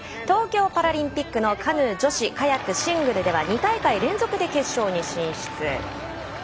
東京パラリンピックのカヌー女子カヤックシングルでは２大会連続で決勝に進出。